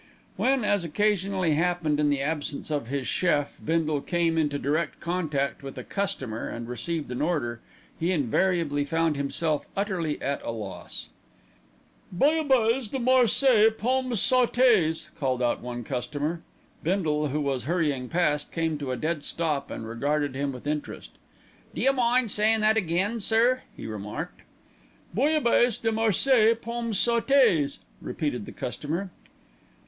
When, as occasionally happened in the absence of his chief, Bindle came into direct contact with a customer and received an order, he invariably found himself utterly at a loss. "Bouillabaisse de Marseilles, pommes sautées," called out one customer. Bindle, who was hurrying past, came to a dead stop and regarded him with interest. "D'you mind sayin' that again, sir," he remarked. "Bouillabaisse de Marseilles, pommes sautées," repeated the customer.